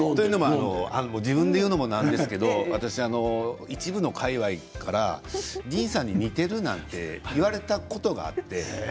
自分で言うのもなんですけれど一部の界わいからディーンさんに似ていると言われたことがあって。